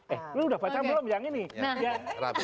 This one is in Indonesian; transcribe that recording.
eh ini udah baca belum yang ini